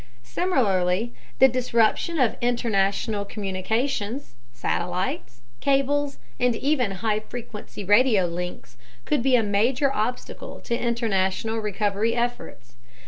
Similarly, the disruption of international communications satellites, cables, and even high frequency radio links could be a major obstacle to international recovery efforts.